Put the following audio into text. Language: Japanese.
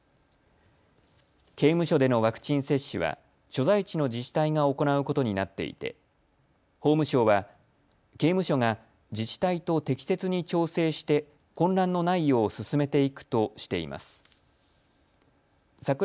刑務所でのワクチン接種は所在地の自治体が行うことになっていて法務省は刑務所が自治体と適切に調整して混乱のないよう進めていくとしています。